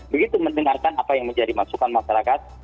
begitu mendengarkan apa yang menjadi masukan masyarakat